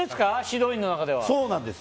指導員の中では。